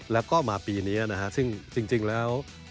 และก็มาวันปีนี้ซึ่งจริงแล้ว